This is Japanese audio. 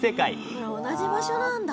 これ同じ場所なんだ。